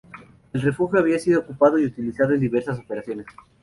El refugio había sido ocupado y utilizado en diversas operaciones.